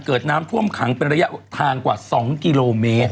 เกิดน้ำท่วมขังเป็นระยะทางกว่า๒กิโลเมตร